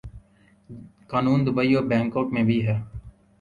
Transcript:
قانون دوبئی اور بنکاک میں بھی ہے۔